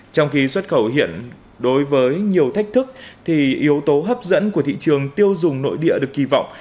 trong khi xuất khẩu hiện đối với nhiều thách thức thì yếu tố hấp dẫn của thị trường tiêu dùng nội địa được kỳ vọng